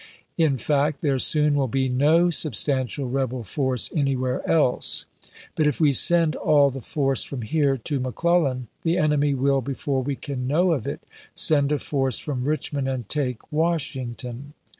In fact, there soon will be no sub stantial rebel force anywhere else. But if we send all the force from here to McClellan, the enemy will, before we can know of it, send a force from Richmond and take Washington.